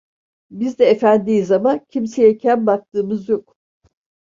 Biz de efendiyiz ama, kimseye kem baktığımız yok…